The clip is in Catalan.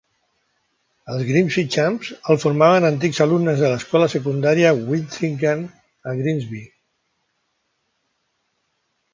Els "Grimsby Chums" el formaven antics alumnes de l'escola secundària Wintringham, a Grimsby.